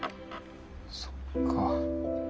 そっか。